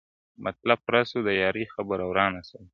مطلب پوره سو د يارۍ خبره ورانه سوله-